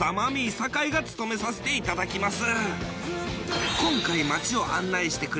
酒井が務めさせていただきます